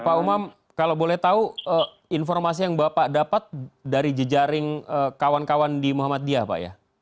pak umam kalau boleh tahu informasi yang bapak dapat dari jejaring kawan kawan di muhammadiyah pak ya